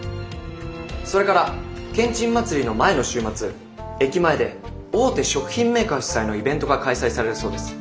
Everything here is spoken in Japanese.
それからけんちん祭りの前の週末駅前で大手食品メーカー主催のイベントが開催されるそうです。